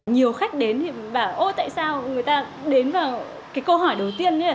nhiều khách đến thì và ôi tại sao người ta đến vào cái câu hỏi đầu tiên